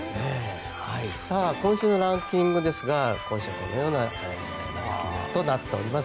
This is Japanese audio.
今週のランキングですが今週はこのようなランキングとなっています。